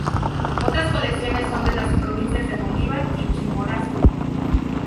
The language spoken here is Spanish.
Otras colecciones son de las provincias de Bolívar y Chimborazo.